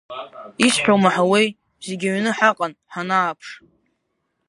Исҳәо умаҳауеи, зегь аҩны ҳаҟан, ҳанааԥш!